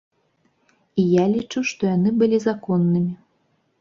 І я лічу, што яны былі законнымі.